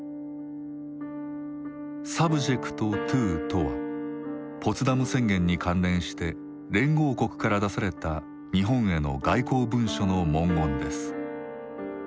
「ｓｕｂｊｅｃｔｔｏ」とはポツダム宣言に関連して連合国から出された日本への外交文書の文言です。